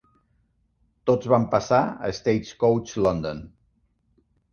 Tots van passar a Stagecoach London.